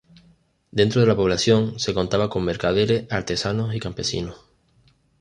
Dentro de la población, se contaba con mercaderes, artesanos y campesinos.